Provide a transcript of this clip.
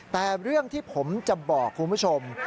แต่เรื่องที่ผมจะบอกคุณผู้ชม